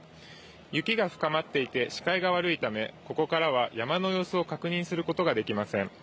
雪が深まっていて視界が悪いためここからは山の様子を確認することができません。